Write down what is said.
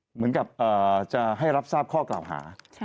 เหมือนกับจะให้รับทราบข้อกล่าวหา